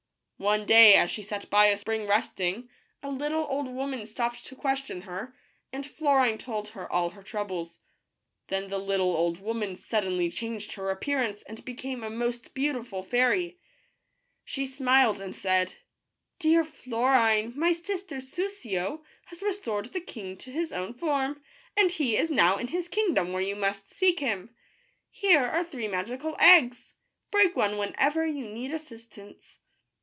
One day, as she sat by a spring resting, a little old woman stopped to question her, and Florine told her all her troubles. Then the little old woman suddenly changed her appearance and became a most beautiful fairy. She smiled, and said :" Dear Florine, my sister Soussio has restored the king to his own form, and he is now in his kingdom, where you must seek him. Here are three magical eggs. Break one when ever you need assistance."